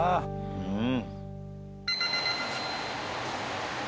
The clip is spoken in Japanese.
うん。